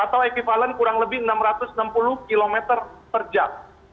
atau ekvivalen kurang lebih enam ratus enam puluh km per jam